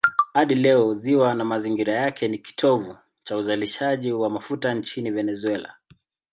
Hadi leo ziwa na mazingira yake ni kitovu cha uzalishaji wa mafuta nchini Venezuela.